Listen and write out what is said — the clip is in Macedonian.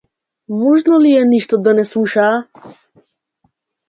Можно ли е ништо да не слушнаа?